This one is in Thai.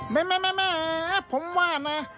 แม่ผมว่านะ